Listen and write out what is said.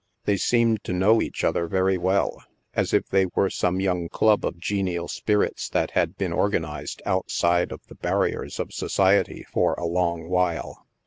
They seemed to know each other very well, as if they were some young club of ge nial spirits that had been organized outside of the barriers of society for a long while.